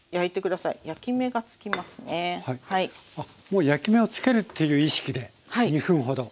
もう焼き目をつけるっていう意識で２分ほど。